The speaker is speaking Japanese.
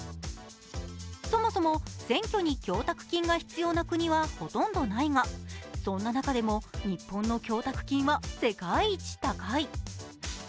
そもそも、選挙に供託金が必要な国はほとんどないがそんな中でも日本の供託金は世界一高い。